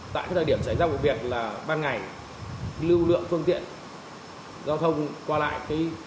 tại thời điểm xảy ra vụ việc là ban ngày lưu lượng phương tiện giao thông qua lại